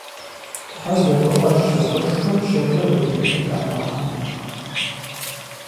Тхьэ зэхуаӀуащ зэкъуэшхэм щэхур дунейм къытрамыгъэхьэну.